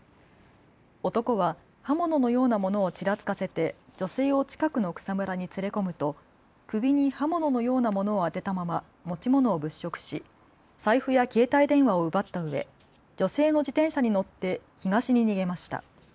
男は刃物のようなものをちらつかせて女性を近くの草むらに連れ込むと首に刃物のようなものを当てたまま持ち物を物色し財布や携帯電話を奪ったうえ女性の自転車に乗って東に逃げました。